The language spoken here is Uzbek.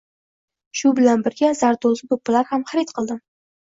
Shu bilan birga zardo‘zi do‘ppilar ham harid qildim.